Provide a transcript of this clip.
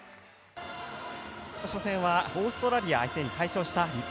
初戦はオーストラリア相手に快勝した日本。